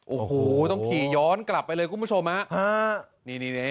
โอ้โหต้องขี่ย้อนกลับไปเลยคุณผู้ชมฮะนี่